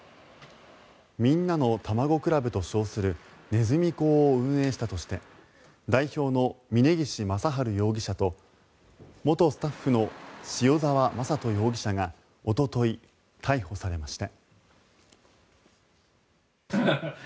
みんなのたまご倶楽部と称するネズミ講を運営したとして代表の峯岸正治容疑者と元スタッフの塩澤正人容疑者がおととい、逮捕されました。